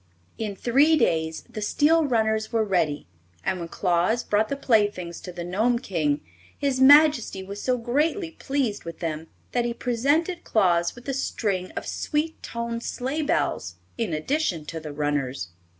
In three days the steel runners were ready, and when Claus brought the playthings to the Gnome King, his Majesty was so greatly pleased with them that he presented Claus with a string of sweet toned sleigh bells, in addition to the runners.